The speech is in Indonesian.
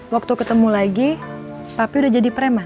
waktu ketemu lagi papih udah jadi preman